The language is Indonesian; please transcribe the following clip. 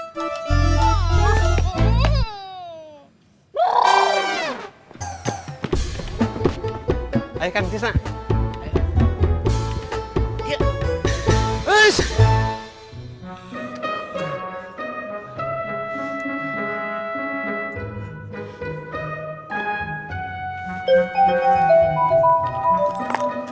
sampai jumpa di video berikutnya